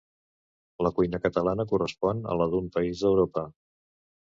la cuina catalana correspon a la d'un país d'Europa